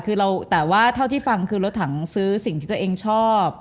คือเราแต่ว่าเท่าที่ฟังคือรถถังซื้อสิ่งที่ตัวเองชอบ